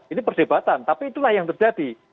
ini perdebatan tapi itulah yang terjadi